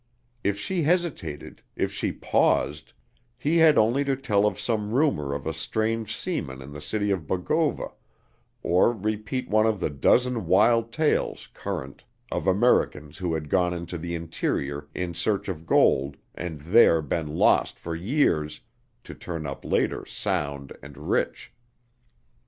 If she hesitated, if she paused, he had only to tell of some rumor of a strange seaman in the city of Bogova or repeat one of the dozen wild tales current of Americans who had gone into the interior in search of gold and there been lost for years to turn up later sound and rich.